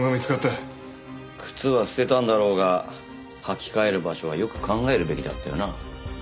靴は捨てたんだろうが履き替える場所はよく考えるべきだったよな。